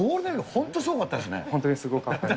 本当にすごかったです。